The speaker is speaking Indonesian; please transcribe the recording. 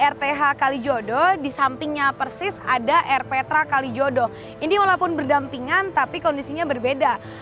rth kalijodo di sampingnya persis ada rptra kalijodo ini walaupun berdampingan tapi kondisinya berbeda